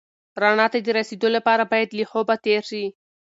رڼا ته د رسېدو لپاره باید له خوبه تېر شې.